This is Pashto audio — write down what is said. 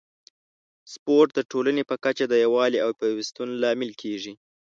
سپورت د ټولنې په کچه د یووالي او پیوستون لامل کیږي.